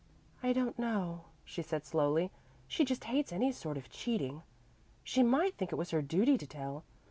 "I don't know," she said slowly. "She just hates any sort of cheating. She might think it was her duty to tell.